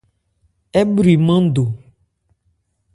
Ɛ bwri nmándò.